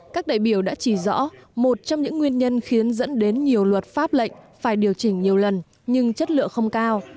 các đại biểu đã chỉ rõ một trong những nguyên nhân khiến dẫn đến nhiều luật pháp lệnh phải điều chỉnh nhiều lần nhưng chất lượng không cao